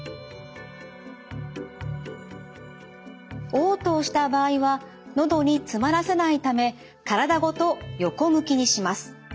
おう吐をした場合は喉に詰まらせないため体ごと横向きにします。